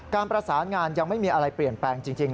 การประสานงานยังไม่มีอะไรเปลี่ยนแปลงจริง